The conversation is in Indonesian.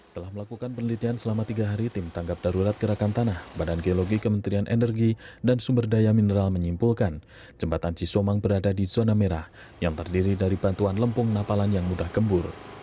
tim menangkap darurat gerakan tanah badan geologi kementerian energi dan sumber daya mineral menyimpulkan jembatan cisomang berada di zona merah yang terdiri dari batuan lempung napalan yang mudah gembur